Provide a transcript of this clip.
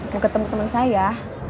mau ketemu teman saya